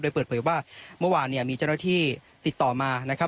โดยเปิดเผยว่าเมื่อวานเนี่ยมีเจ้าหน้าที่ติดต่อมานะครับ